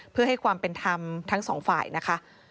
เพื่อให้ความเป็นธรรมทั้งสองฝ่ายนะคะ